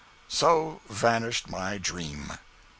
So vanished my dream.